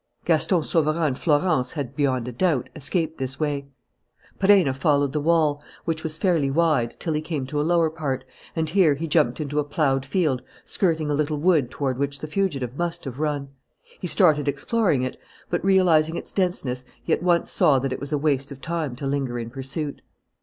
Gaston Sauverand and Florence had, beyond a doubt, escaped this way. Perenna followed the wall, which was fairly wide, till he came to a lower part, and here he jumped into a ploughed field skirting a little wood toward which the fugitives must have run He started exploring it, but, realizing its denseness, he at once saw that it was waste of time to linger in pursuit.